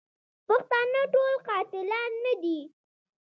پښتانه ټول قاتلان نه دي.